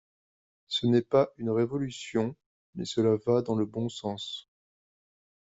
Ce n’est pas une révolution mais cela va dans le bon sens.